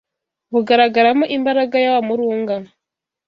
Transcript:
bugaragaramo imbaraga ya wa murunga